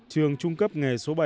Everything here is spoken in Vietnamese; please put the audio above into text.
trường trung cấp ngày số bảy